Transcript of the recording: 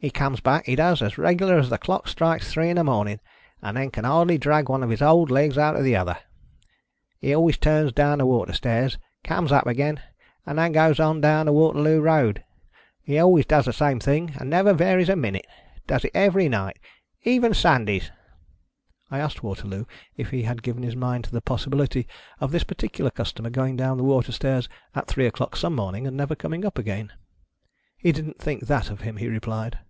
He comes back, he does, as reg'lar as the clock strikes three in the morning, and then can hardly drag one of his old legs after the other. He always turns <lo wn the water stairs, comes up again, and then goes on down the Waterloo Road. He always does the same thing, and never varies Does it every night — even Sun a minute, davs." I asked Waterloo if he had given his mind to the possibility of this particular customer going down the water stairs at three o'clock some morning, and never coming up again ? He didn't think that of him, he replied.